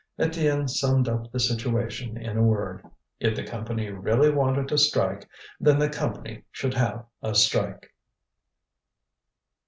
Étienne summed up the situation in a word: if the Company really wanted a strike then the Company should have a strike.